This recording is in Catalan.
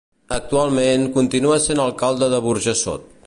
Actualment, continua sent alcalde de Burjassot.